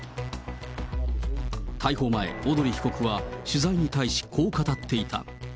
逮捕前、小鳥被告は取材に対し、こう語っていた。